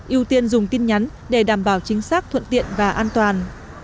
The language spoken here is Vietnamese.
ưu tiên dùng tin nhắn để đảm bảo chính xác thuận tiện và an toàn